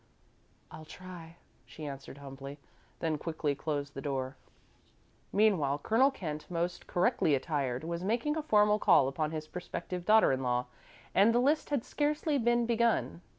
"I'll try," she answered, humbly, then quickly closed the door. Meanwhile Colonel Kent, most correctly attired, was making a formal call upon his prospective daughter in law, and the list had scarcely been begun.